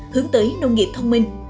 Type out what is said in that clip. hướng tới nông nghiệp thông minh